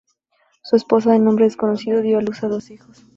Su esposa, de nombre desconocido, dio a luz a dos hijos.